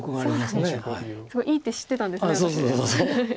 すごいいい手知ってたんですね